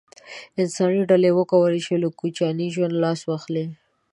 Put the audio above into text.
انساني ډلې وکولای شول له کوچیاني ژوند لاس واخلي.